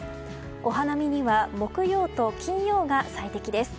お花見には木曜と金曜が最適です。